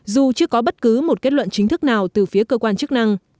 dù chưa có bất cứ một kết luận chính thức nào từ phía cơ quan chức năng